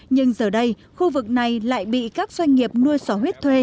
nhưng giờ đây khu vực này lại bị các doanh nghiệp nuôi sò huyết thuê